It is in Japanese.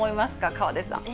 河出さん。